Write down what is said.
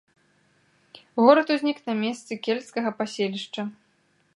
Горад узнік на месцы кельцкага паселішча.